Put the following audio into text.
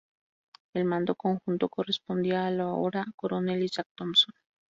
El mando conjunto correspondía al ahora coronel Isaac Thompson.